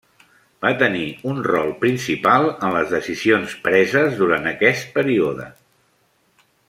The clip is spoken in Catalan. Va tenir un rol principal en les decisions preses durant aquest període.